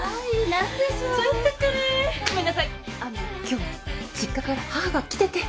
今日実家から母が来てて。